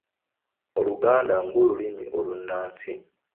Oluganda ng'olulimi olunnansi.